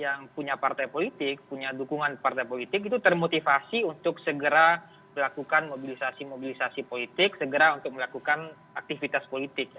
yang punya partai politik punya dukungan partai politik itu termotivasi untuk segera melakukan mobilisasi mobilisasi politik segera untuk melakukan aktivitas politik